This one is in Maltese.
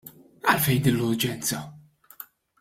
Għalfejn din l-urġenza?